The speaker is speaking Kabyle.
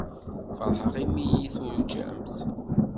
Feṛḥeɣ imi iyi-tuṛǧamt.